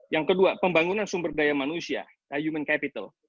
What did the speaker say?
yang kedua pembangunan sumber daya manusia human capital